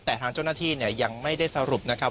แต่ทางเจ้าหน้าที่ยังไม่ได้สรุปนะครับ